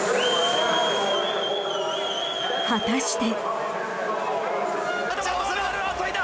果たして。